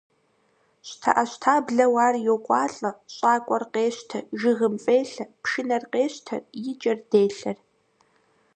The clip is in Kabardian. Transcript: ЩтэӀэщтаблэу ар йокӀуалӀэ, щӀакӀуэр къещтэ, жыгым фӀелъэ, пшынэр къещтэр, и кӀэр делъэр.